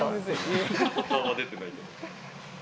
顔は出てないけど。